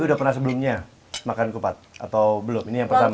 udah pernah sebelumnya makan kupat atau belum ini yang pertama